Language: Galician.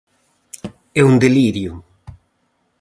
É un delirio.